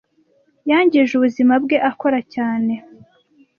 Yangije ubuzima bwe akora cyane.